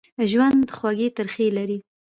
ژوند خوږې ترخې لري.